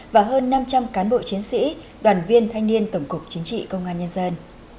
và hơn năm trăm linh cán bộ chiến sĩ đoàn viên thanh niên tổng cục chính trị công an nhân dân